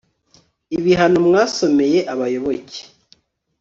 ibihano mwasomeye abayoboke